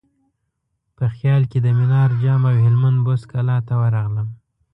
په خیال کې د منار جام او هلمند بست کلا ته ورغلم.